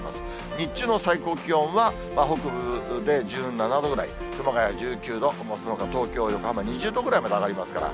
日中の最高気温は北部で１７度ぐらい、熊谷１９度、そのほか東京、横浜２０度ぐらいまで上がりますから。